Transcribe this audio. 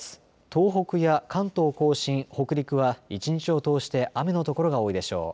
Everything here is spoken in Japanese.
東北や関東甲信、北陸は一日を通して雨の所が多いでしょう。